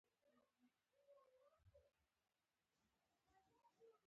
د منورې لرکلی، سېرۍ کلی، رشید کلی، ډبونو کلی یا ډبونه